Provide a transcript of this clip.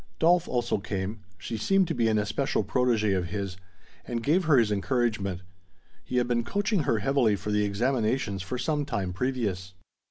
Dolf also came she seemed to be an especial protege of his and gave her his encouragement. He had been coaching her heavily for the examinations for some time previous.